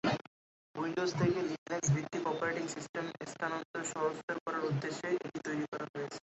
Windows থেকে লিনাক্স-ভিত্তিক operating সিস্টেমে স্থানান্তর সহজতর করার উদ্দেশ্যে এটি তৈরি করা হয়েছে।